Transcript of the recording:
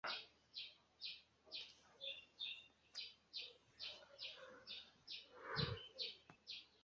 Pro elteni tiun novan riĉon, oni kreis novajn ekonomiajn teoriojn kaj praktikojn.